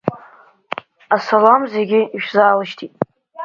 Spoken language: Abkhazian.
Асалам зегьы ишәзаалышьҭит.